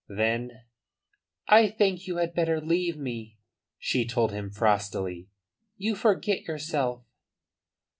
Then: "I think you had better leave me," she told him frostily. "You forget yourself."